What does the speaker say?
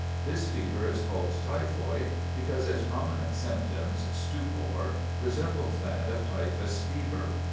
This fever is called typhoid, because its prominent symptom, stupor, resembles that of typhus fever.